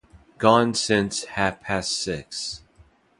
Gone since ha' past six.